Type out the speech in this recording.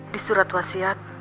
di surat wasiat